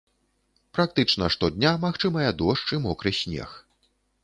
Практычна штодня магчымыя дождж і мокры снег.